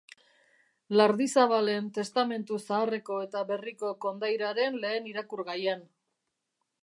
Lardizabalen Testamentu Zaharreko eta Berriko kondaira-ren lehen irakurgaian.